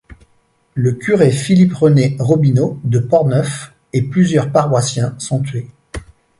Le curé Philippe-René Robinau de Portneuf et plusieurs paroissiens sont tués.